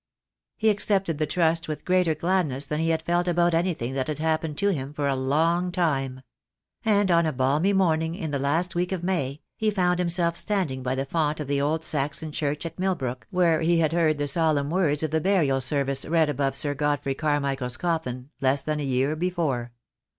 He accepted the trust with greater gladness than he had felt about anything that had happened to him for a long time; and on a balmy morning in the last week of May he found himself standing by the font of the old Saxon church at Milbrook where he had heard the solemn words of the Burial Service read above Sir Godfrey Car michael's coffin less than a year before.